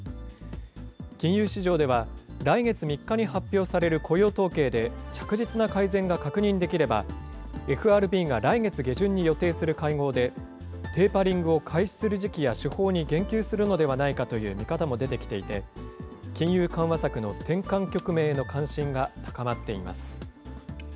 金融市場では、来月３日に発表される雇用統計で、着実な改善が確認できれば、ＦＲＢが来月下旬に予定する会合で、テーパリングを開始する時期や手法に言及するのではないかという見方も出てきていて、金融緩和策の転換局面への関心が高まっています。